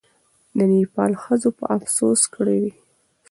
د نېپال ښځو به افسوس کړی وي.